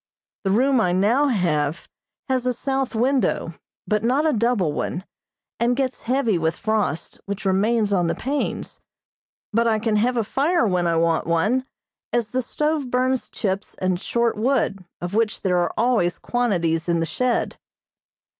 The room I now have has a south window, but not a double one, and gets heavy with frost, which remains on the panes; but I can have a fire when I want one, as the stove burns chips and short wood, of which there are always quantities in the shed.